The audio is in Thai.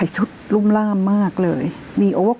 คุณแม่ก็ไม่อยากคิดไปเองหรอก